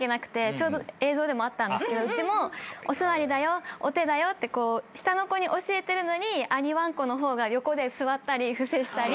ちょうど映像でもあったんですけどうちもお座りだよお手だよって下の子に教えてるのに兄わんこの方が横で座ったり伏せしたり。